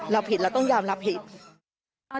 เราผิดแล้วต้องยอมรับพิทธิ์